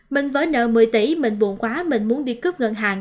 mình vỡ nợ một mươi tỷ mình buồn quá mình muốn đi cướp ngân hàng